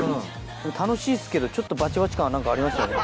楽しいですけどちょっとバチバチ感は何かありますよね。